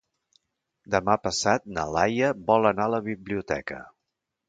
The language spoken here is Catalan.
Demà passat na Laia vol anar a la biblioteca.